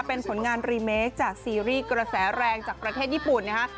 เป็นผลงานรีเมคจากซีรีส์กระแสแรงจากประเทศญี่ปุ่นนะฮะ